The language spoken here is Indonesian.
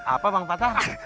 apa bang patah